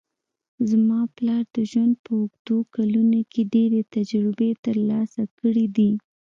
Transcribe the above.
زما پلار د ژوند په اوږدو کلونو کې ډېرې تجربې ترلاسه کړې دي